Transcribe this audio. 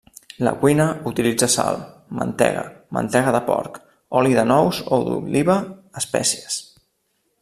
La cuina utilitza sal, mantega, mantega de porc, oli de nous o d'oliva, espècies.